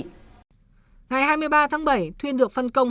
ngày hai mươi ba tháng bảy thuyên được phân công